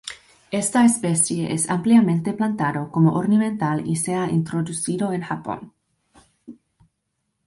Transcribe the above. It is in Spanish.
Esta especie es ampliamente plantada como ornamental y se ha introducido en Japón.